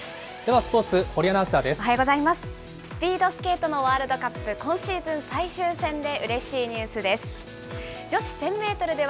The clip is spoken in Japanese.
スピードスケートのワールドカップ、今シーズン最終戦で、うれしいニュースです。